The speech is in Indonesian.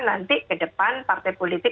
nanti ke depan partai politik